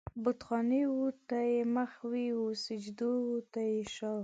بتخانې و ته يې مخ وي و مسجد و ته يې شا